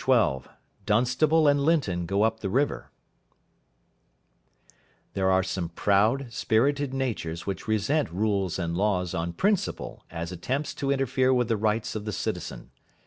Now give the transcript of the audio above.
XII DUNSTABLE AND LINTON GO UP THE RIVER There are some proud, spirited natures which resent rules and laws on principle as attempts to interfere with the rights of the citizen.